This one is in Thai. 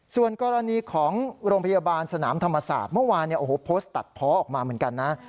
ส่วนกรณีของโรงพยาบาลสนามธรรมศาสตร์เมื่อวานโพสต์ตัดเพาะออกมาเหมือนกันนะ